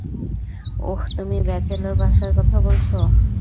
ওহ, তুমি ব্যাচেলর বাসার কথা বলছো?